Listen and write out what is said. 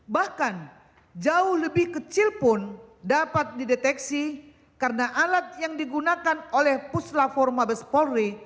bahkan jauh lebih kecil pun dapat dideteksi karena alat yang digunakan oleh puslaforma bespori